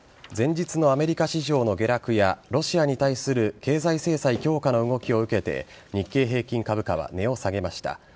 前日のアメリカ市場の下落やロシアに対する経済制裁強化の動きを受けて日経平均株価は値を下げました。